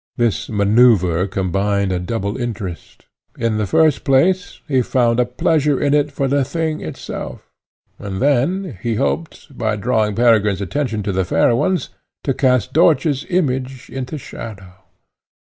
This man[oe]uvre combined a double interest. In the first place, he found a pleasure in it for the thing itself; and then, he hoped, by drawing Peregrine's attention to the fair ones, to cast Dörtje's image into shadow.